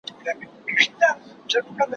څه په کار دي حکمتونه او عقلونه